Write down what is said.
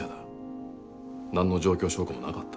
何の状況証拠もなかった。